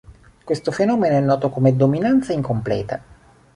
Questo fenomeno è noto come dominanza incompleta.